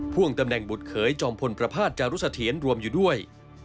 พ่วงตำแหน่งบุตรเขยจอมพลประพาทจารุเสถียรรวมอยู่ด้วย